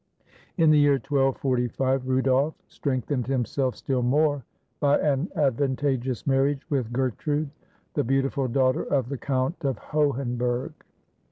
In the year 1245, Rudolf strengthened himself still more by an advantageous marriage with Gertrude, the beautiful daughter of the Count of Hohenberg.